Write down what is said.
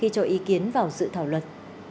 cho ý kiến vào dự thảo luật